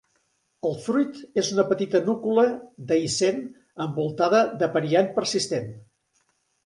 El fruit és una petita núcula dehiscent, envoltada pel periant persistent.